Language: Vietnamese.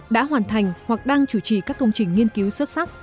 đã hoàn thành hoặc đang chủ trì các công trình nghiên cứu xuất sắc